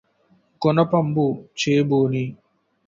గునపంబు చేబూని